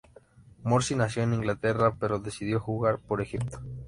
Morsi nació en Inglaterra, pero decidió jugar por Egipto.